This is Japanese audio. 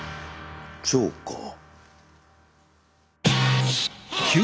ジョーカー。